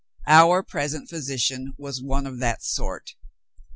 Our present physician was one of that sort.